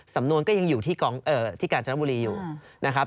สำนวนก็ยังอยู่ที่กองที่กาญจนบุรีอยู่นะครับ